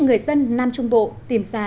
người dân nam trung bộ tìm ra